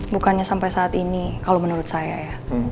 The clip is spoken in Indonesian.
bukannya sampai saat ini kalau menurut saya ya